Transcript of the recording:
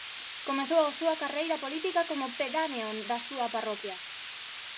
Comezou a súa carreira política como pedáneo da súa parroquia.